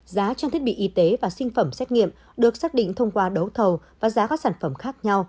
giá trang thiết bị y tế và sinh phẩm xét nghiệm được xác định thông qua đấu thầu và giá các sản phẩm khác nhau